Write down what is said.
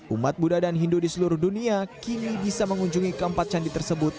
umat buddha dan hindu di seluruh dunia kini bisa mengunjungi keempat candi tersebut